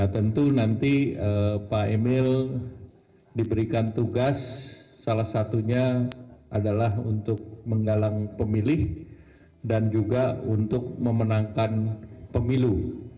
tentu nanti pak emil diberikan tugas salah satunya adalah untuk menggalang pemilih dan juga untuk memenangkan pemilu